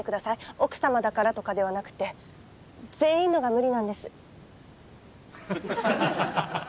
奥様だからとかではなくて全員のが無理なんです。